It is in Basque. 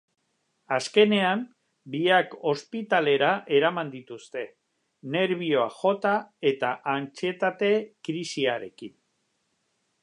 Azkenean, biak ospitalera eraman dituzte, nerbioak jota eta antsietate krisiarekin.